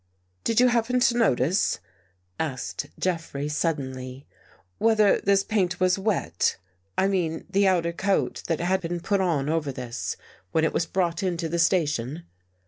" Did you happen to notice," asked Jeffrey sud denly, "whether the paint was wet — I mean the outer coat that had been put on over this — when it was brought into the station?